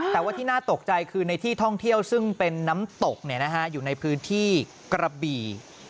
แต่ว่าที่น่าตกใจคือในที่ท่องเที่ยวซึ่งเป็นน้ำตกอยู่ในพื้นที่กระบี่